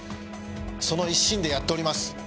その一心でやっております！